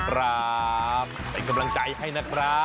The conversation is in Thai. ครับเป็นกำลังใจให้นะครับ